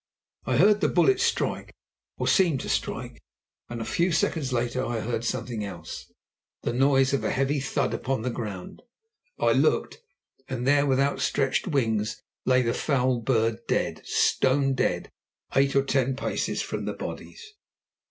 I heard the bullet strike, or seem to strike, and a few seconds later I heard something else—the noise of a heavy thud upon the ground. I looked, and there with outstretched wings lay the foul bird dead, stone dead, eight or ten paces from the bodies.